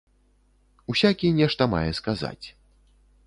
Усякі нешта мае сказаць.